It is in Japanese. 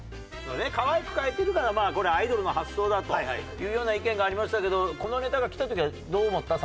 可愛く変えてるからこれアイドルの発想だというような意見がありましたけどこのネタがきた時はどう思った？